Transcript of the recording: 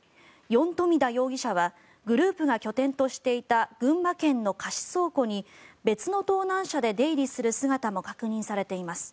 ヨン・トミダ容疑者はグループが拠点としていた群馬県の貸倉庫に別の盗難車で出入りする姿も確認されています。